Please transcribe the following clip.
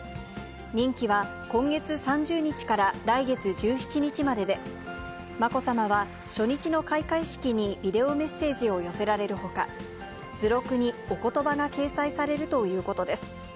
任期は今月３０日から来月１７日までで、まこさまは、初日の開会式にビデオメッセージを寄せられるほか、図録におことばが掲載されるということです。